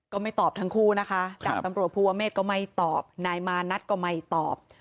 ก็ไม่ตอบทั้งคู่นะคะดาบตำรวจภูวะเมฆก็ไม่ตอบนายมานัทก็ไม่ตอบ